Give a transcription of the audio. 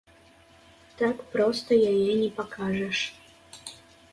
Так проста яе не пакажаш.